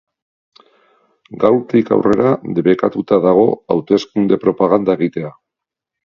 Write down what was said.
Gaurtik aurrera debekatuta dago hauteskunde-propaganda egitea.